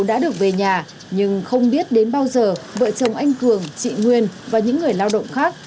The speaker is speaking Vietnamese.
giờ đây dù đã được về nhà nhưng không biết đến bao giờ vợ chồng anh cường chị nguyên và những người lao động khác